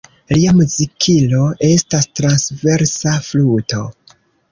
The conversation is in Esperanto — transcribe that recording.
Lia muzikilo estas transversa fluto.